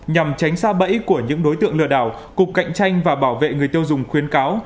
nhằm tránh xa bẫy của những đối tượng lừa đảo cục cạnh tranh và bảo vệ người tiêu dùng khuyến cáo